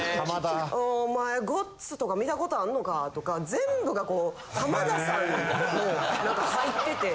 「おおお前『ごっつ』とか見たことあんのか？」とか全部がこう浜田さん何か入ってて。